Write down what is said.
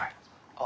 ああ。